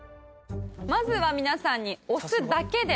まずは皆さんにお酢だけで。